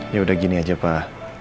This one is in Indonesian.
yaudah gini aja pak